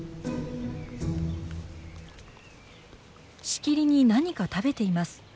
しきりに何か食べています。